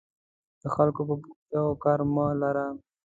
د خلکو په بوختیاوو کار مه لره.